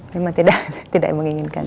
memang tidak menginginkan